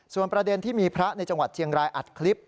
ส่วนประเด็นที่มีพระในจังหวัดเชียงรายอัดคลิป